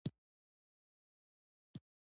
مېوې د افغانستان د ټولو هیوادوالو لپاره یو ویاړ دی.